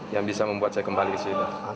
yang bisa membuat saya kembali ke sini